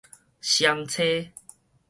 雙叉